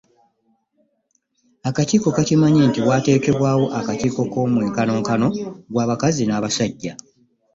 Akakiiko kakimanyi nti waateekebwawo Akakiiko k’Omwenkanonkano gw’Abakazi n’Abasajja.